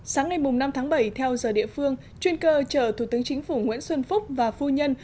sáng ngày năm tháng bảy theo giờ địa phương chuyên cơ chờ thủ tướng chính phủ nguyễn xuân phúc và phu nhân